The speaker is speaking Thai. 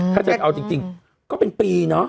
ถ้าจะเอาจริงก็เป็นปีเนอะ